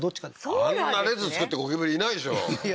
あんな列作ってゴキブリいないでしょういや